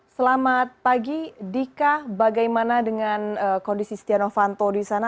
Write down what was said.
selamat pagi dika bagaimana dengan kondisi setia novanto di sana